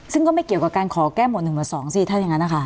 ซึ่งก็ไม่เกี่ยวกับการขอแก้หมวด๑๑๒สิถ้ายังไงนะคะ